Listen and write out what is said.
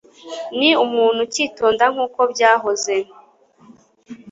Ni umuntu ukitonda nkuko byahoze.